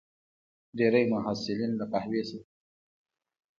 ډېری محصلین له قهوې سره مینه لري.